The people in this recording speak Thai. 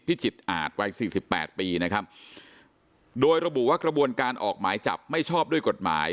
จิตอาจวัยสี่สิบแปดปีนะครับโดยระบุว่ากระบวนการออกหมายจับไม่ชอบด้วยกฎหมาย